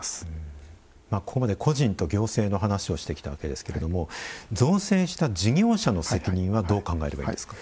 ここまで個人と行政の話をしてきたわけですけれども造成した事業者の責任はどう考えればいいですか？